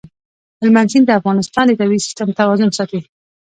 هلمند سیند د افغانستان د طبعي سیسټم توازن ساتي.